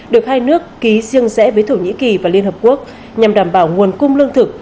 được hai nước ký riêng rẽ với thổ nhĩ kỳ và liên hợp quốc nhằm đảm bảo nguồn cung lương thực